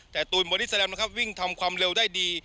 แต่ตูนบอดี้แลมนะครับวิ่งทำความเร็วได้ดี